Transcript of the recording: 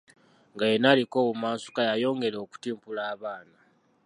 Nga yenna aliko n’obumansuka yayongera okutimpula abaana.